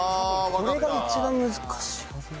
これが一番難しいはず。